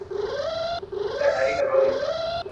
د جهاني د ګل ګېډیو وطن.